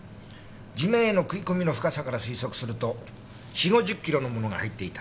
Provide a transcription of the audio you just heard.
地面への食い込みの深さから推測すると４０５０キロのものが入っていた。